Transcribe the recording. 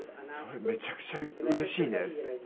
それめちゃくちゃうれしいね」って。